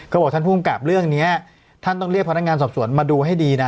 ก็บอกท่านภูมิกับเรื่องนี้ท่านต้องเรียกพนักงานสอบสวนมาดูให้ดีนะ